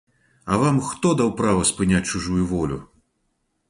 А вам хто даў права спыняць чужую волю?!